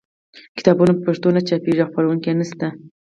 کتابونه په پښتو نه چاپېږي او خپرونکي یې نشته.